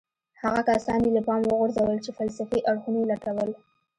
هغه کسان يې له پامه وغورځول چې فلسفي اړخونه يې لټول.